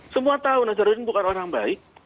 semua tahu nazarudin bukan orang baik